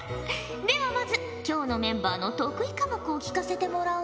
ではまず今日のメンバーの得意科目を聞かせてもらおうかのう。